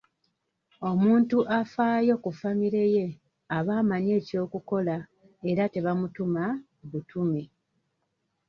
Omuntu afaayo ku famire ye aba amanyi eky'okukola era tebamutuma butumi.